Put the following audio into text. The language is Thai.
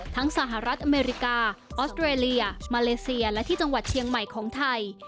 สหรัฐอเมริกาออสเตรเลียมาเลเซียและที่จังหวัดเชียงใหม่ของไทย